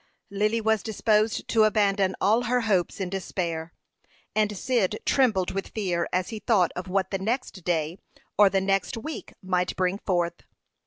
Lily was disposed to abandon all her hopes in despair, and Cyd trembled with fear as he thought of what the next day or the next week might bring forth.